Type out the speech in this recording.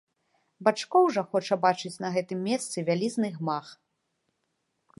Бачкоў жа хоча бачыць на гэтым месцы вялізны гмах.